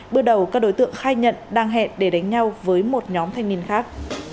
bữa đầu các đối tượng khai nhận đăng hẹn để đánh nhau với một nhóm thanh niên khác